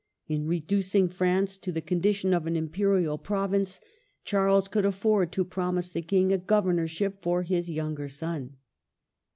In reducing France to the con dition of an Imperial province, Charles could afford to promise the King a governorship for his younger son.